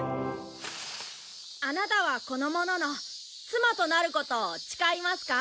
アナタはこの者の妻となることを誓いますか？